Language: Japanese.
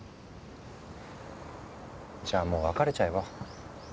じゃあもう別れちゃえば？